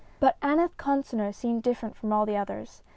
But Aneth Consinor seemed different from all the others.